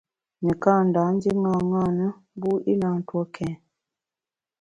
Nekâ Ndam ndié ṅaṅâ na, mbu i na ntue kèn.